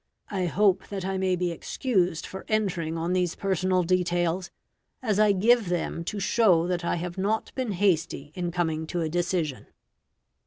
I hope that I may be excused for entering on these personal details, as I give them to show that I have not been hasty in coming to a decision."